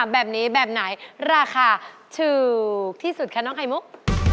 แบบนี้แบบไหนราคาถูกที่สุดคะน้องไข่มุก